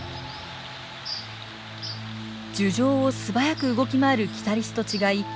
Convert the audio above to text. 樹上を素早く動き回るキタリスと違い